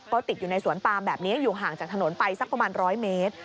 ก็ติดอยู่ในสวนปามแบบนี้อยู่ห่างจากถนนไปสักประมาณ๑๐๐เมตร